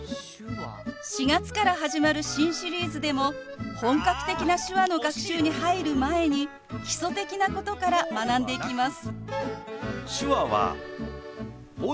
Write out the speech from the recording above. ４月から始まる新シリーズでも本格的な手話の学習に入る前に基礎的なことから学んでいきます。